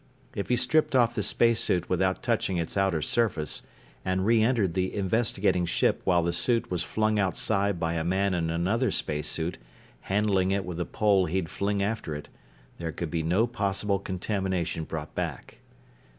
If he stripped off the spacesuit without touching its outer surface, and reentered the investigating ship while the suit was flung outside by a man in another spacesuit, handling it with a pole he'd fling after it, there could be no possible contamination brought back.